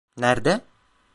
Nerde?